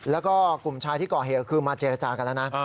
แล้วก็กลุ่มชายที่ก่อเหตุคือมาเจรจากันแล้วนะ